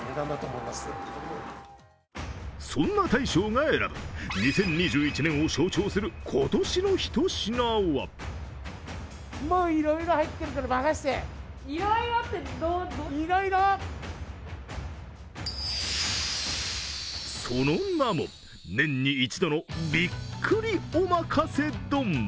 そんな対象が選ぶ２０２１年を象徴する今年のひと品はその名も、年に一度のビックリおまかせ丼。